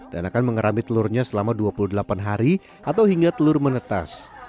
dan akan mengerami telurnya selama dua puluh delapan hari atau hingga telur menetes